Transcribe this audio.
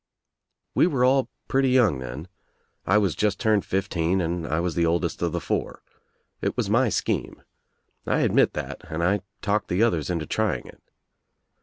We were all pretty young then. I was just turned fifteen and I was the oldest of the four. It was my scheme. T WANT TO KNOW WHY 7 admit that and I talked the others into trying it.